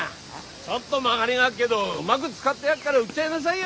ちょっと曲がりがあっけどうまぐ使ってやっから売っちゃいなさいよ。